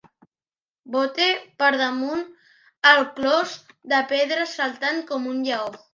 Bote per damunt el clos de pedra saltant com un lleó.